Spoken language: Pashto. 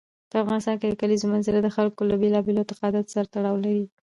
په افغانستان کې د کلیزو منظره د خلکو له بېلابېلو اعتقاداتو سره تړاو لري.